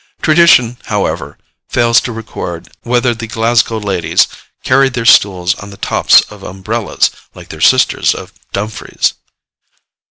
Tradition, however, fails to record whether the Glasgow ladies carried their stools on the tops of umbrellas, like their sisters of Dumfries.